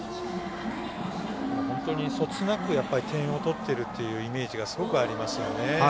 そつなく、点を取ってるというイメージがすごくありますよね。